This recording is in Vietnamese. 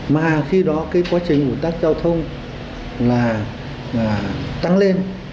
mà khi đó cái quá trình ủn tắc giao thông là tăng lên